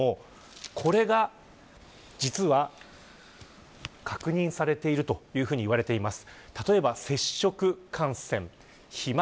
これが、実は確認されていると言われています。